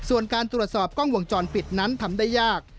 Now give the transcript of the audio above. ส่วนการตรวจสอบกล้องวงจรปิดนั้นทำได้ยาก